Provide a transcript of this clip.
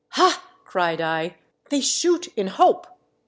"Ha !" cried I ;" they shoot in hope